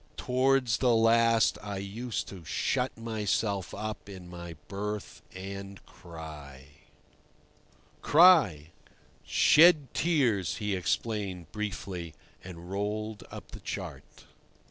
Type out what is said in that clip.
Towards the last I used to shut myself up in my berth and cry." "Cry?" "Shed tears," he explained briefly, and rolled up the chart.